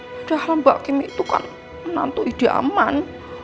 padahal mbak kim itu kan menantu idaman